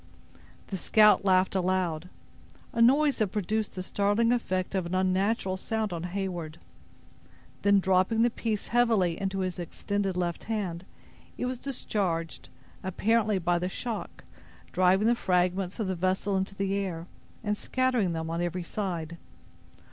The scout laughed aloud—a noise that produced the startling effect of an unnatural sound on Heyward; then dropping the piece, heavily, into his extended left hand, it was discharged, apparently by the shock, driving the fragments of the vessel into the air, and scattering them on every side.